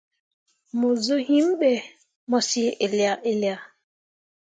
Mo zuu yim be mo cii ella ella.